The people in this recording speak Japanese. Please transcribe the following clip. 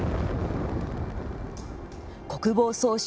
国防総省